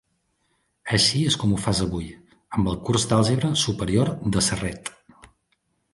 Així és com ho fas avui, amb el Curs d'àlgebra superior de Serret.